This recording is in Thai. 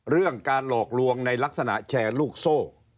เรื่องการหลอกลวงในลักษณะแชร์ลูกโซ่